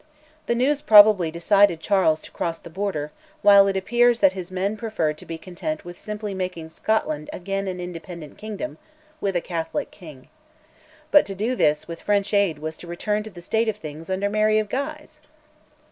The news probably decided Charles to cross the Border; while it appears that his men preferred to be content with simply making Scotland again an independent kingdom, with a Catholic king. But to do this, with French aid, was to return to the state of things under Mary of Guise!